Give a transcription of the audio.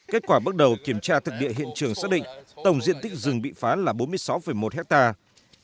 kết quả bước đầu kiểm tra thực địa hiện trường xác định tổng diện tích rừng bị phá là bốn mươi sáu một hectare